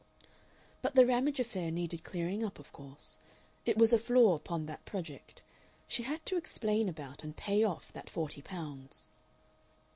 But the Ramage affair needed clearing up, of course; it was a flaw upon that project. She had to explain about and pay off that forty pounds....